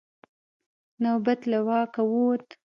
نوبت له واکه ووت.